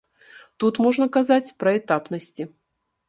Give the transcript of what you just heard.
Тут можна казаць пра этапнасці.